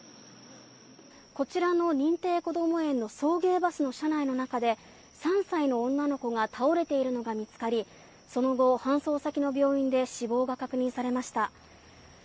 こちらの認定こども園の送迎バスの車内の中で３歳の女の子が倒れているのが見つかりその後、搬送先の病院で死亡が確認されました。